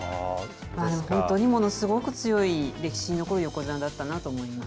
本当にものすごく強い歴史に残る横綱だったなと思います。